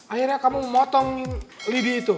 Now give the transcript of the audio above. akhirnya kamu memotong lidi itu